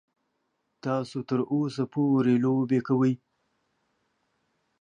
تاسو تر اوسه پورې لوبې کوئ.